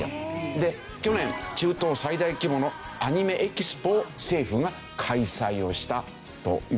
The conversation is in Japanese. で去年中東最大規模のアニメエキスポを政府が開催をしたというわけですよね。